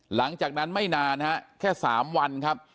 หลังจากนั้นไม่นานครับแค่สามวันครับ